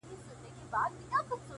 زما د زړه د كـور ډېـوې خلگ خبــري كوي”